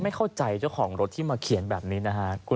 ไม่เข้าใจเจ้าของรถที่มาเขียนแบบนี้นะฮะ